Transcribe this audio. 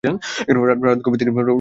রাত গভীর থেকে গভীর হতে থাকে।